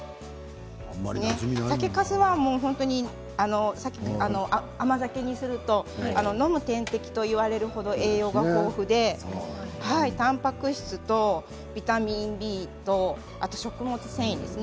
酒かすは甘酒にすると飲む点滴といわれる程栄養が豊富で、たんぱく質とビタミンＢと食物繊維ですね。